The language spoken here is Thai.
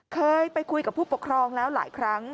เคยไปคุยกับผู้ปกครองแล้วหลายครั้ง